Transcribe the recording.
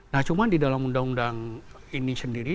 nah cuma di dalam undang undang ini sendiri